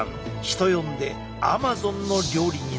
人呼んでアマゾンの料理人だ。